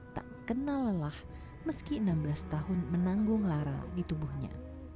tak kenal lelah meski enam belas tahun menanggung lara di tubuhnya